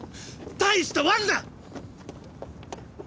大したワルだ！